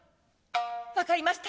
「わかりました。